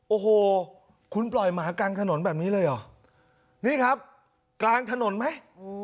โอ้โหคุณปล่อยหมากลางถนนแบบนี้เลยเหรอนี่ครับกลางถนนไหม